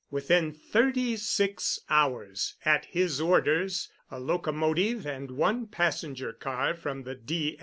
Within thirty six hours, at his orders, a locomotive and one passenger car from the D.